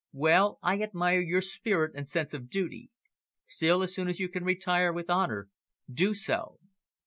Well, I admire your spirit and sense of duty. Still, as soon as you can retire with honour, do so.